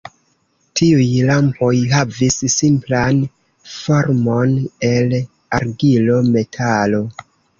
Tiuj lampoj havis simplan formon el argilo, metalo.